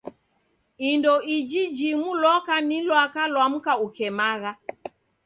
Indo iji jimu loka ni lwaka lwa mka ukemagha.